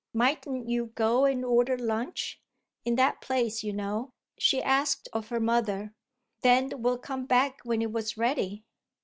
"Mightn't you go and order lunch in that place, you know?" she asked of her mother. "Then we'd come back when it was ready."